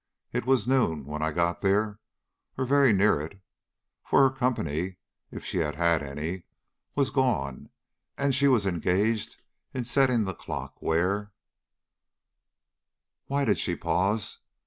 It was noon when I got there, or very near it, for her company, if she had had any, was gone, and she was engaged in setting the clock where " Why did she pause?